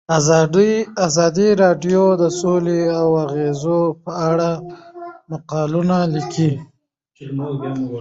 ازادي راډیو د سوله د اغیزو په اړه مقالو لیکلي.